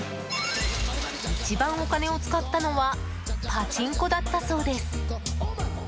一番お金を使ったのはパチンコだったそうです。